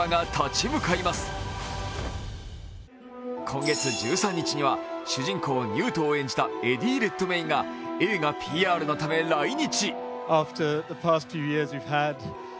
今月１３日は主人公、ニュートを演じたエディ・レッドメインが映画ＰＲのため来日。